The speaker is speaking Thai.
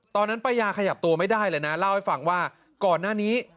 ป้ายาขยับตัวไม่ได้เลยนะเล่าให้ฟังว่าก่อนหน้านี้